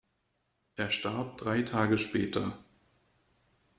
Er starb drei Tage später.